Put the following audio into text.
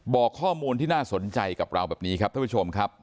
บอกข้อมูลที่น่าสนใจกับเราแบบนี้ครับท่านผู้ชมครับ